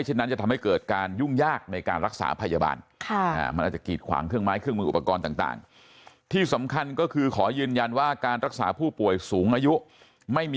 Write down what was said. ห้องนั้นห้องนั้นห้องนั้นห้องนั้นห้องนั้นห้องนั้นห้องนั้นห้องนั้น